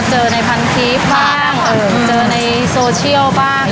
อ๋อเจอในพันลิฟต์บ้างเอ่องเอ๋คันเจอในโซเชียลบ้าง